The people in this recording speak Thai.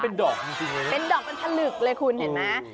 เป็นดอกเป็นผลึกเลยคุณเห็นไหม